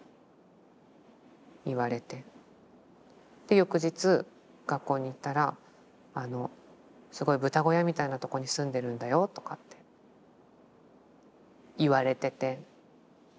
で翌日学校に行ったら「すごい豚小屋みたいなとこに住んでるんだよ」とかって言われてて。